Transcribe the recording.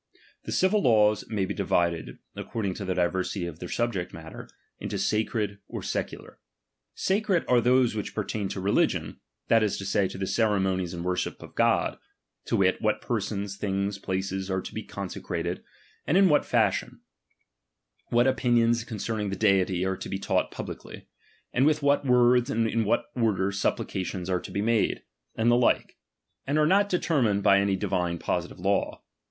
The civil laws may be divided, according to the diversity of their subject matter, mto sacred or secular. Sacred are those which pertain to religion, that is to say, to the ceremo nies and worship of God : to wit, what persons, things, places, are to be consecrated, and in what fashion ; what opiuions concerning the Deity are to be taught publicly ; and with what words and in what order supplications are to be made ; and the like ; and are not determined by any divine positive law.